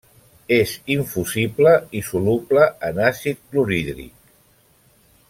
És infusible i soluble en àcid clorhídric.